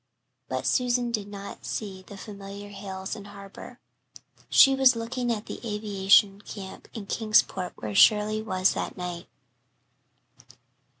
But Susan did not see the familiar hills and harbour. She was looking at the aviation camp in Kingsport where Shirley was that night.